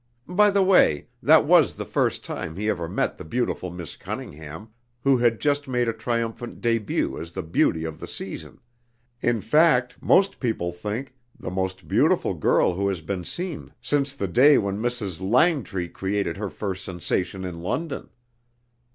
By the way, that was the first time he ever met the beautiful Miss Cunningham, who had just made a triumphant début as the beauty of the season in fact, most people think the most beautiful girl who has been seen since the day when Mrs. Langtry created her first sensation in London.